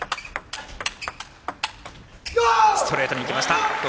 ストレートにいきました、戸上。